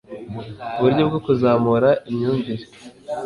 uburyo bwo kuzamura imyumvire